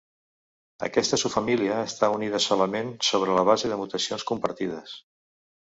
Aquesta subfamília està unida solament sobre la base de mutacions compartides.